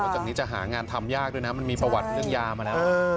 จากนี้จะหางานทำยากด้วยนะมันมีประวัติเรื่องยามาแล้ว